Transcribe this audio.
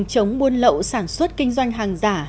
chống buôn lậu sản xuất kinh doanh hàng giả